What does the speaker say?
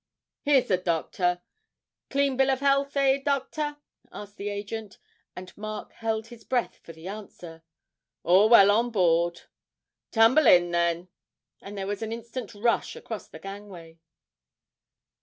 'Here's the doctor; clean bill of health, eh, doctor?' asked the agent and Mark held his breath for the answer. 'All well on board.' 'Tumble in, then;' and there was an instant rush across the gangway.